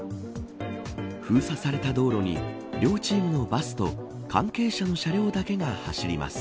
封鎖された道路に両チームのバスと関係者の車両だけが走ります。